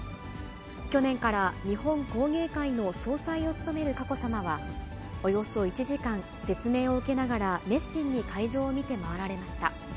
去年から日本工芸会の総裁を務める佳子さまは、およそ１時間、説明を受けながら、熱心に会場を見て回られました。